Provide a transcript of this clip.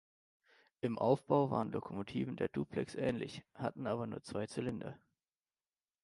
Im Aufbau waren die Lokomotiven der Duplex ähnlich, hatten aber nur zwei Zylinder.